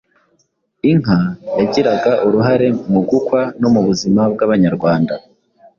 Inka yagiraga uruhare mu gukwa no mu buzima bw’Abanyarwanda